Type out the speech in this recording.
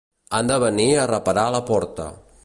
Han de venir a reparar la porta.